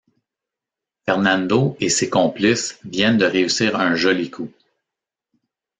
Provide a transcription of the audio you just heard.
Fernando et ses complices viennent de réussir un joli coup.